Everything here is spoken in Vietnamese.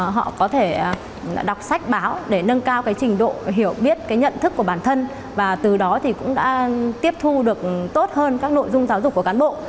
họ có thể đọc sách báo để nâng cao cái trình độ hiểu biết cái nhận thức của bản thân và từ đó thì cũng đã tiếp thu được tốt hơn các nội dung giáo dục của cán bộ